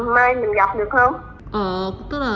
mai mình gặp được không